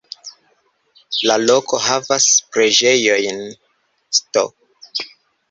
La loko havas preĝejon „St.